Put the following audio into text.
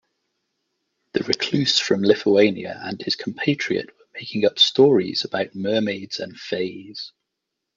The recluse from Lithuania and his compatriot were making up stories about mermaids and fays.